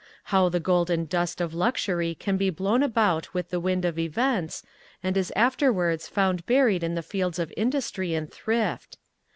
How the golden dust of luxury can be blown about with the wind of events, and is afterwards found buried in the fields of industry and thrift!